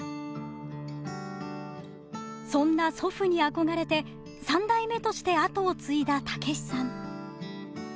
そんな祖父に憧れて３代目として跡を継いだ武子さん。